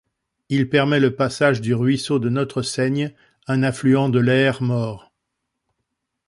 Il permet le passage du Ruisseau de Nostre Seigne un affluent de l'Hers-Mort.